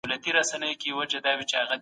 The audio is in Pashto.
ډیپلوماټان کله د پناه غوښتونکو حقونه پیژني؟